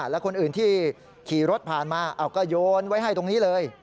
แล้วคนอื่นที่ขี่รถผ่านมาก็โยนไว้ให้ตรงนี้เลย